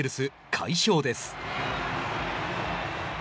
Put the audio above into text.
快勝です。